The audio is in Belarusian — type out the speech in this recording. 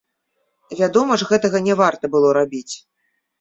Вядома ж, гэтага не варта было рабіць.